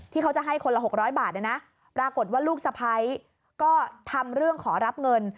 เขาจะให้คนละ๖๐๐บาทปรากฏว่าลูกสะพ้ายก็ทำเรื่องขอรับเงิน